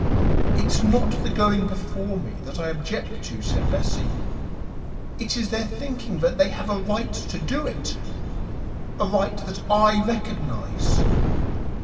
"It is not the going before me that I object to," said Bessie; "it is their thinking that they have a right to do it A RIGHT THAT I RECOGNIZE."